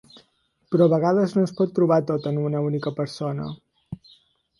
Però a vegades no es pot trobar tot en una única persona.